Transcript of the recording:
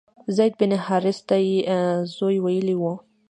زید بن حارثه ته یې زوی ویلي و.